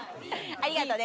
ありがとね。